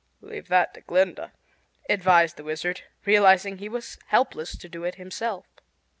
"Leave that to Glinda," advised the Wizard, realizing he was helpless to do it himself.